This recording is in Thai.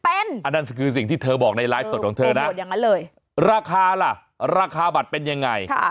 อันนั้นคือสิ่งที่เธอบอกในไลฟ์สดของเธอนะราคาล่ะราคาบัตรเป็นยังไง